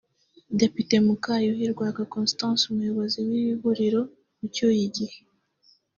Depute Mukayuhi Rwaka Constance umuyobozi w’ iri huriro ucyuye igihe